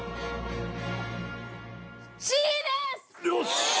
よし！